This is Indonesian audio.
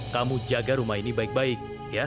kamu jaga rumah ini baik baik